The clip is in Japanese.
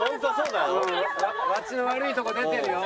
ワッチの悪いとこ出てるよ。